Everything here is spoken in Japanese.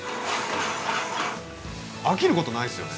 飽きることないですよね。